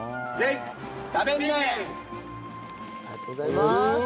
ありがとうございます！